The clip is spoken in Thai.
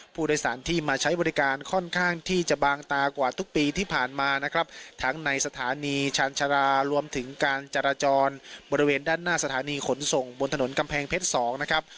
ผู้โดยสารที่มาใช้บริการค่อนข้างที่จะบางตากว่าทุกปีที่ผ่านมานะครับทั้งในสถานีชาญชารารวมถึงการจราจรบริเวณด้านหน้าสถานีขนส่งบนถนนกำแพงเพชรสองนะครับ